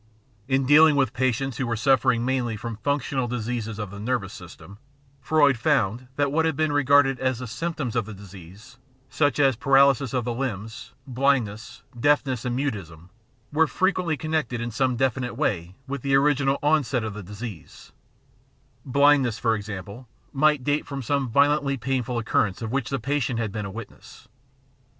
In dealing with patients who were suf fering mainly from functional diseases of the nervous system, Freud found that what had been regarded as the symptoms of the disease, such as paralysis of the limbs, blindness, deafness, and mutism, were frequently connected in some definite way with the original onset of the disease; blindness, for example, might date from some violently painful occurrence of which the patient had been a witness.